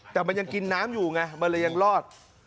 แต่มันยังกินน้ำอยู่ไงมันเลยยังรอด